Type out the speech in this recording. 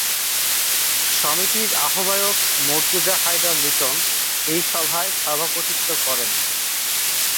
সমিতির আহ্বায়ক মর্তুজা হায়দার লিটন এই সভায় সভাপতিত্ব করেন।